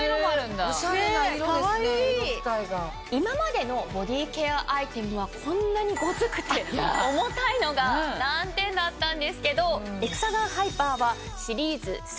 今までのボディケアアイテムはこんなにゴツくて重たいのが難点だったんですけどエクサガンハイパーは。